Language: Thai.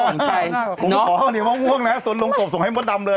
ผมต้องขอข้าวเหนียวมะม่วงนะฮะส่งโรงศพส่งให้มัวดำเลย